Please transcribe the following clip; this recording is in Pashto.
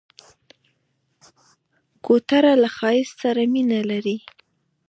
کوتره له ښایست سره مینه لري.